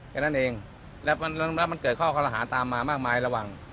แค่นั้นเองแล้วมันเกิดข้อคอรหาตามมามากมายระหว่าง